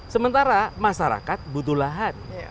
sementara masyarakat butuh lahan